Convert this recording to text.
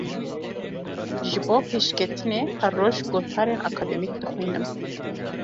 Ji bo pêşketinê her roj gotarên akademîk dixwînim.